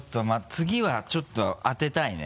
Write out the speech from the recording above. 次はちょっと当てたいね。